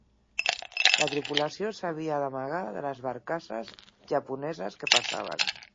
La tripulació s'havia d'amagar de les barcasses japoneses que passaven.